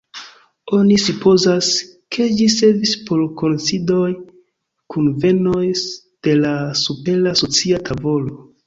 Oni supozas, ke ĝi servis por kunsidoj, kunvenoj de la supera socia tavolo.